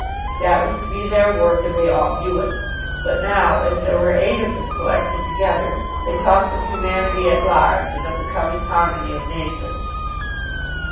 That was to be their work, and they all knew it. But now, as there were eight of them collected together, they talked of humanity at large and of the coming harmony of nations.